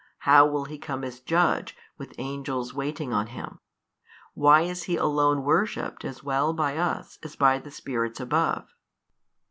how will He come as Judge, with Angels waiting on Him? why is He Alone worshipped as well by us as by the spirits above?